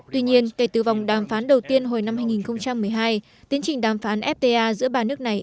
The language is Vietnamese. tuy nhiên kể từ vòng đàm phán đầu tiên hồi năm hai nghìn một mươi hai tiến trình đàm phán fta giữa ba nước này